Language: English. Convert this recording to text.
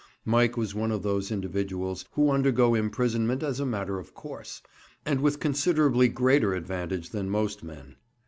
Mike was one of those individuals who undergo imprisonment as a matter of course, and with considerably greater advantage than most men.